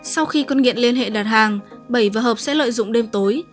sau khi con nghiện liên hệ đặt hàng bảy và hợp sẽ lợi dụng đêm tối